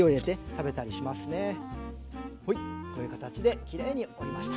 ほいこういう形できれいにおりました。